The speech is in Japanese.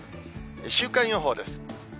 週間予報です。